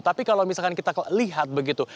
tapi kalau misalkan kita lihat begitu